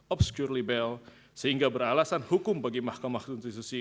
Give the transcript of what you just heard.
obscurely bel sehingga beralasan hukum bagi mahkamah konstitusi